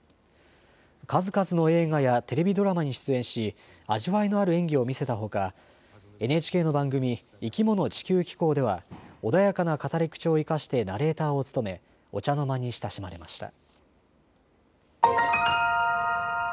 数々の映画やテレビドラマに出演し味わいのある演技を見せたほかＮＨＫの番組、生きもの地球紀行では穏やかな語り口を生かしてナレーターを務めお茶の間に親しまれました。